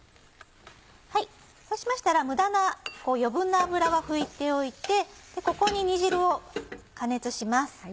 そうしましたら余分な脂は拭いておいてここに煮汁を加熱します。